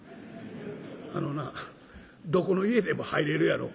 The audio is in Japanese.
「あのなどこの家でも入れるやろ」。